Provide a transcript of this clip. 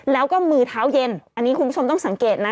แล้วก็มือเท้าเย็นอันนี้คุณผู้ชมต้องสังเกตนะ